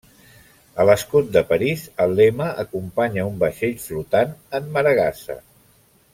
A l'escut de París, el lema acompanya un vaixell flotant en maregassa.